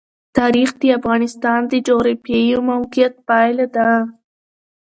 تاریخ د افغانستان د جغرافیایي موقیعت پایله ده.